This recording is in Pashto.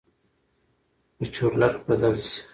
به چورلټ بدل شي.